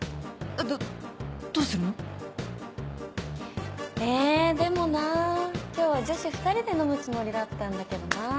どどうするの？えでもなぁ今日は女子２人で飲むつもりだったんだけどなぁ。